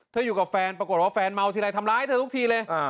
อยู่กับแฟนปรากฏว่าแฟนเมาทีไรทำร้ายเธอทุกทีเลย